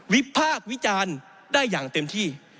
วิพากษ์วิจารณ์ได้อย่างเต็มที่